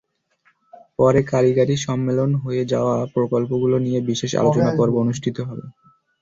পরে কারিগরি সম্মেলনে হয়ে যাওয়া প্রকল্পগুলো নিয়ে বিশেষ আলোচনা পর্ব অনুষ্ঠিত হবে।